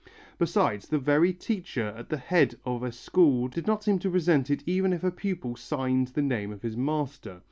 Besides, the very teacher at the head of a school did not seem to resent it even if a pupil signed the name of his master.